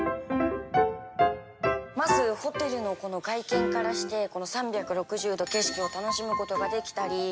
まずホテルのこの外見からして３６０度景色を楽しむことができたり。